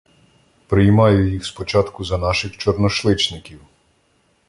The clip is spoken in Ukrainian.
Приймаю їх спочатку за наших чорношличників.